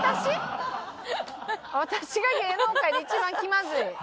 私が芸能界で一番気まずい？